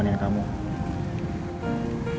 tentara sebodong tante